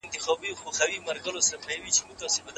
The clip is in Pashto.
د انټرنیټ موجودیت د اړوندو مضامینو پوهه پراخوي.